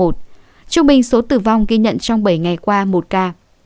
trung bình số tử vong ghi nhận trong bảy ngày qua một ca